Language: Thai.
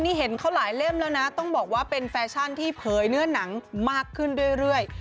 นี่เห็นเขาหลายเล่มแล้วนะต้องบอกว่าเป็นแฟชั่นที่เผยเนื้อหนังมากขึ้นเรื่อย